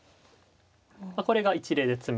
これが一例で詰みですね。